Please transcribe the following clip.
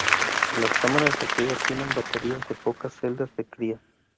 Las cámaras de cría tienen baterías de pocas celdas de cría.